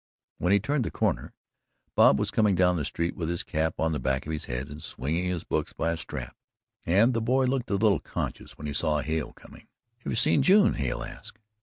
When he turned the corner, Bob was coming down the street with his cap on the back of his head and swinging his books by a strap, and the boy looked a little conscious when he saw Hale coming. "Have you seen June?" Hale asked.